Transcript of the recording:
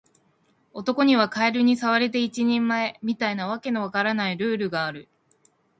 男にはカエルに触れて一人前、みたいな訳の分からないルールがある